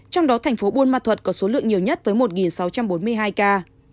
trong đó thành phố buôn ma thuật có số lượng nhiều nhất với một sáu trăm bốn mươi hai ca